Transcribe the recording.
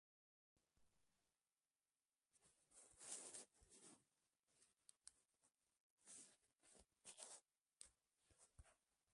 Desgastado por los sufrimientos, murió en prisión.